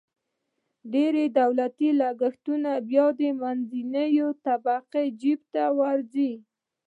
ډېری دولتي لګښتونه بیا د منځنۍ طبقې جیب ته ورځي.